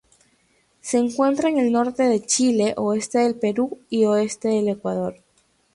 Se encuentra en el norte de Chile, oeste del Perú y oeste de Ecuador.